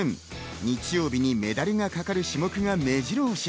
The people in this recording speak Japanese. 日曜日にメダルがかかる種目が目白押し。